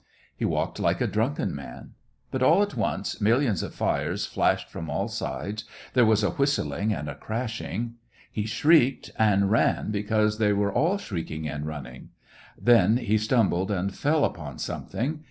He walked like a drunken man. But all at once millions of fires flashed from all sides, there was a whistling and a crash ing. He shrieked and ran, because they were all shrieking and running. Then he stumbled and fell upon something.